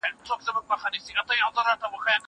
زه کولای شم کتاب ولولم!!